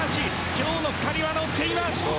今日の２人は乗っています。